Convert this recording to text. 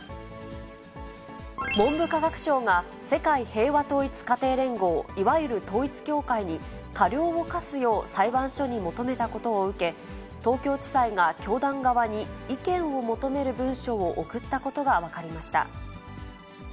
文部科学省が、世界平和統一家庭連合、いわゆる統一教会に、過料を科すよう裁判所に求めたことを受け、東京地裁が教団側に、意見を求める文書を送ったことが分かりました。